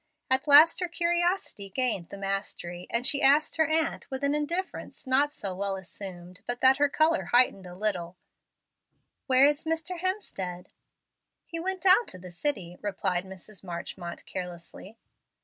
At last her curiosity gained the mastery, and she asked her aunt with an indifference, not so well assumed but that her color heightened a little, "Where is Mr. Hemstead?" "He went down to the city," replied Mrs. Marchmont, carelessly.